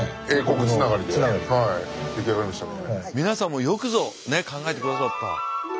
皆さんもよくぞね考えてくださった。